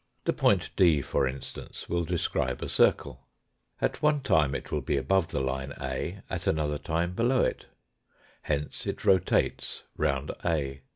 The point D, for instance, will describe a circle. At one time it will be above the line A, at another time below it. Hence it rotates round A.